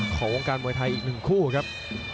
ของวงการมวยไทยอีกหนึ่งคู่ครับ